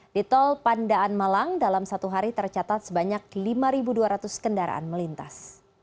di tol pandaan malang dalam satu hari tercatat sebanyak lima dua ratus kendaraan melintas